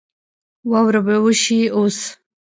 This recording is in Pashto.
واوره به وشي اوس